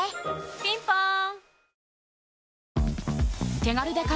ピンポーン